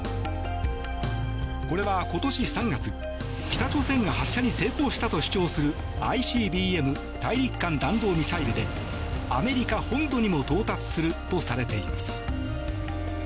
これは今年３月、北朝鮮が発射に成功したと主張するＩＣＢＭ・大陸間弾道ミサイルでアメリカ本土にも到達するとされています。